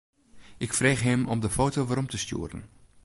Ik frege him om de foto werom te stjoeren.